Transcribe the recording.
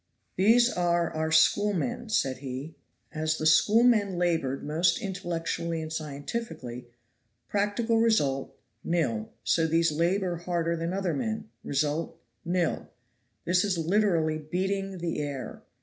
"These are our schoolmen," said he. "As the schoolmen labored most intellectually and scientifically practical result, nil, so these labor harder than other men result, nil. This is literally 'beating the air.'